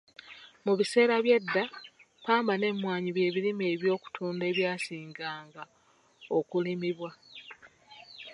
Mu biseera by’edda, ppamba n’emmwanyi bye birime eby’okutunda ebyasinga nga okulimibwa.